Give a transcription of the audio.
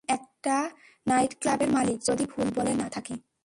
উনি একটা নাইটক্লাবের মালিক, যদি ভুল বলে না থাকি!